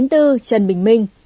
chín mươi bốn trần bình minh